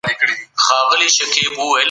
تولیدي فابریکې به نوي توکي بازار ته وړاندې کوي.